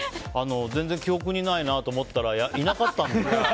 全然、記憶にないなと思ったらいなかったんだなと。